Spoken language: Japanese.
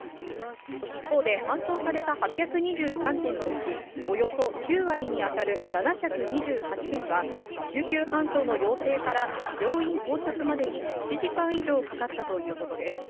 一方で、搬送された８２３件のうち、およそ９割に当たる７２８件は、救急搬送の要請から病院到着までに、１時間以上かかったということです。